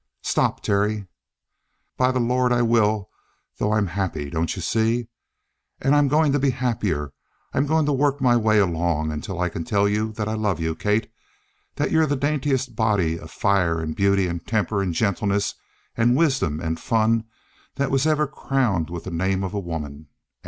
"Stop, Terry!" "By the Lord, I will, though! I'm happy don't you see? And I'm going to be happier. I'm going to work my way along until I can tell you that I love you, Kate that you're the daintiest body of fire and beauty and temper and gentleness and wisdom and fun that was ever crowned with the name of a woman.